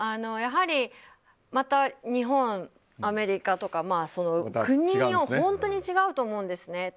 やはり日本、アメリカとか国によって違うと思うんですね。